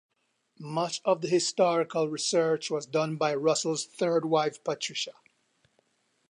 Much of the historical research was done by Russell's third wife Patricia.